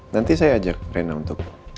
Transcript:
nanti saya ajak rena untuk